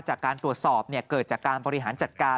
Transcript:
จากการตรวจสอบเกิดจากการบริหารจัดการ